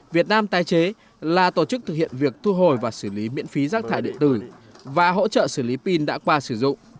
việt nam tái chế là tổ chức thực hiện việc thu hồi và xử lý miễn phí rác thải điện tử và hỗ trợ xử lý pin đã qua sử dụng